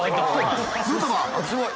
すごい。